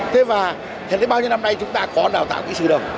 thế và thế bao nhiêu năm nay chúng ta có đào tạo kỹ sư đâu